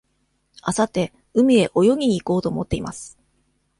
あさって海へ泳ぎに行こうと思っています。